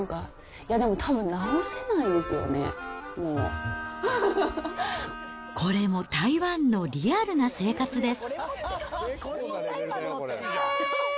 いや、でも直せないですよね、これも台湾のリアルな生活です。